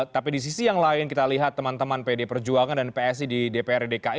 tapi di sisi yang lain kita lihat teman teman pd perjuangan dan psi di dprd dki